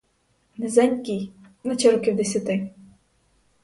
Низенький — наче років десяти.